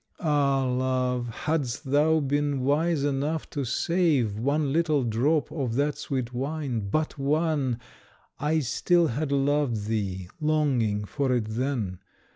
Ah, Love! hadst thou been wise enough to save One little drop of that sweet wine but one I still had loved thee, longing for it then.